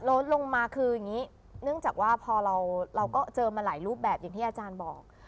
ลดลงมาคืออย่างนี้เนื่องจากว่าพอเราก็เจอมาหลายรูปแบบอย่างที่อาจารย์บอก